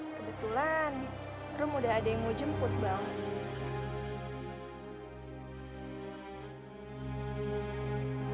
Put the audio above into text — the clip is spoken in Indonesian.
kebetulan rum udah ada yang mau jemput banget